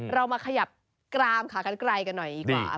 เรามาขยับกรามขากลายกันหน่อยกว่า